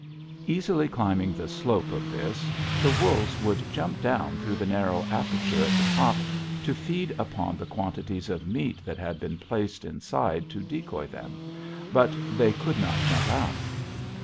Easily climbing the slope of this, the wolves would jump down through the narrow aperture at the top to feed upon the quantities of meat that had been placed inside to decoy them, but they could not jump out.